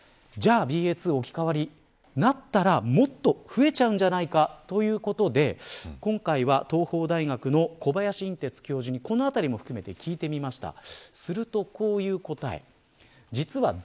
じゃあ、ＢＡ．２置き換わりになったらもっと増えちゃうんじゃないかということで今回は東邦大学の小林寅てつ教授にこのあたりも含めて聞いてみました。